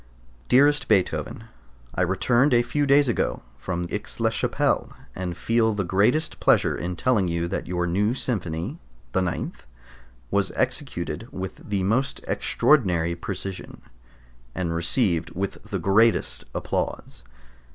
Dearest Beethoven, I returned a few days ago from Aix la Chapelle, and feel the greatest pleasure in telling you that your new Symphony [the 9th] was executed with the most extraordinary precision, and received with the greatest applause.